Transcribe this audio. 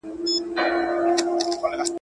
هلک مړ سو د دهقان په کور کي غم سو!